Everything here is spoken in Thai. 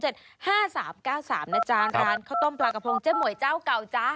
ทานเขาต้มปลากระพงเจ๊หมวยเจ้าเก่าจ้า